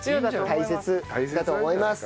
大切だと思います。